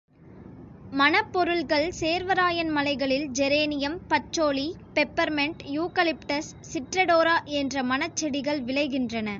மணப் பொருள்கள் சேர்வராயன் மலைகளில் geranium patchouli, pepper mint, eucalyptus, சிற்றடோரா என்ற மணச் செடிகள் விளைகின்றன.